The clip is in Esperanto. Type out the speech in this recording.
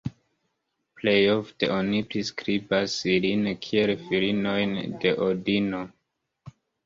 Plejofte oni priskribas ilin kiel filinojn de Odino.